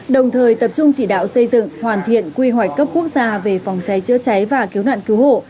đồng thời tập trung chỉ đạo xây dựng hoàn thiện quy hoạch cấp quốc gia về phòng cháy chữa cháy và cứu nạn cứu hộ